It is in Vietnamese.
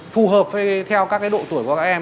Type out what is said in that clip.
phù hợp theo các độ tuổi của các em